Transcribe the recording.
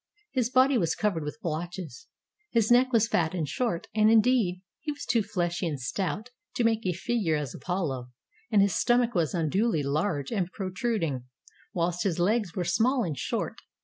His body was covered with blotches. His neck was fat and short, and, indeed, he was too fleshy and stout to make a figure as Apollo, and his stomach was unduly large and protruding, whilst his legs were small and short.